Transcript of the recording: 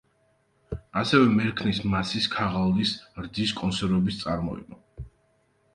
ასევე მერქნის მასის, ქაღალდის, რძის კონსერვების წარმოება.